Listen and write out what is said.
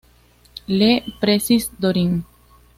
Le Plessis-Dorin